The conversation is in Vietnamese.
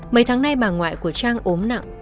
mấy tháng nay bà ngoại của trang ốm nặng